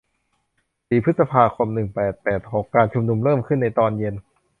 สี่พฤษภาคม หนึ่งแปดแปดหก การชุมนุมเริ่มขึ้นในตอนเย็น